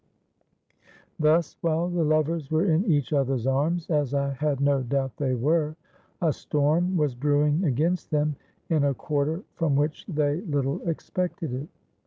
Thus, while the lovers were in each other's arms—as I had no doubt they were—a storm was brewing against them in a quarter from which they little expected it.